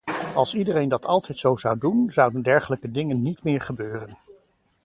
Als iedereen dat altijd zo zou doen, zouden dergelijke dingen niet meer gebeuren.